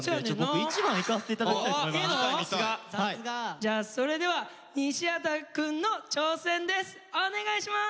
じゃあそれでは西畑くんの挑戦です。